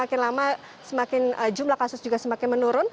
ini semakin lama jumlah kasus juga semakin menurun